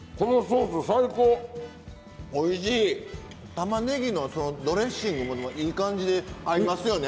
玉ねぎのドレッシングもいい感じで合いますよね。